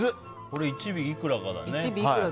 これ、１尾いくらかだよね。